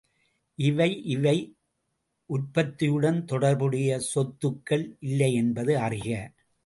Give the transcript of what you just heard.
இவை இவை உற்பத்தியுடன் தொடர்புடைய சொத்துக்கள் இல்லையென்பது அறிக.